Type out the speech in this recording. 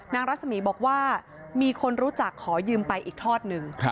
นางรัสมีบอกว่ามีคนรู้จักขอยืมหนึ่งอีกทอดนึง